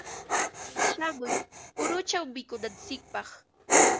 Shamuy puruchaw mikunantsikpaq.